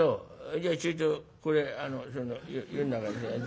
じゃちょいとこれその湯ん中に」。